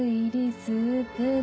スープで